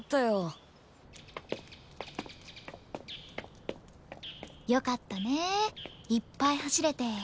よかったねいっぱい走れて。